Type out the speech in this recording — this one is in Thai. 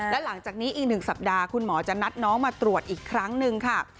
และหลังจากนี้อีก๑สัปดาห์คุณหมอจะนัดน้องมาตรวจอีกครั้งหนึ่งค่ะ